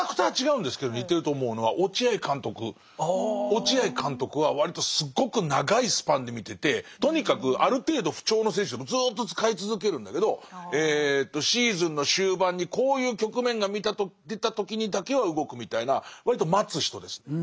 落合監督は割とすごく長いスパンで見ててとにかくある程度不調の選手でもずっと使い続けるんだけどシーズンの終盤にこういう局面が出た時にだけは動くみたいな割と待つ人ですね。